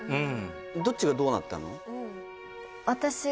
どっちがどうなったの？